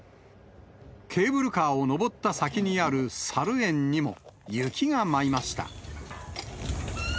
ケーブルカーを登った先にあるさる園にも、雪が舞いました。